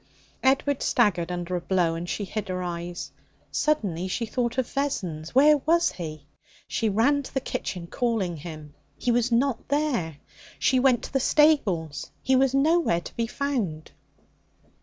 Edward staggered under a blow, and she hid her eyes. Suddenly she thought of Vessons. Where was he? She ran to the kitchen calling him. He was not there. She went to the stables. He was nowhere to be found.